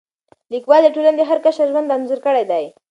لیکوال د ټولنې د هر قشر ژوند انځور کړی دی.